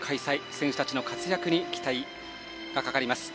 選手たちの活躍に期待がかかります。